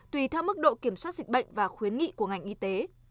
tùy theo mức độ kiểm soát dịch bệnh và khuyến nghị của ngành y tế